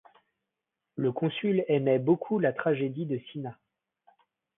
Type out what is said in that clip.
Le Consul aimait beaucoup la tragédie deCinna.